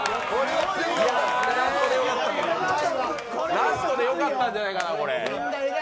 ラストでよかったんじゃないかな、これ。